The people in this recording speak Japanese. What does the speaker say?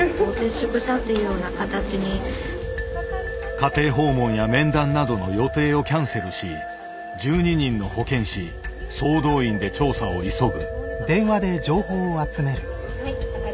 家庭訪問や面談などの予定をキャンセルし１２人の保健師総動員で調査を急ぐ。